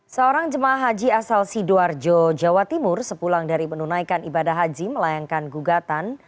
seorang jemaah haji asal sidoarjo jawa timur sepulang dari menunaikan ibadah haji melayangkan gugatan